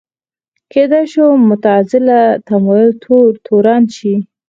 کېدای شو معتزله تمایل تور تورن شي